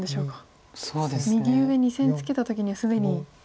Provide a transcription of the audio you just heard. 右上２線ツケた時には既に。